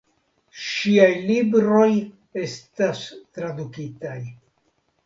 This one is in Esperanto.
Ŝiaj libroj estas tradukitaj.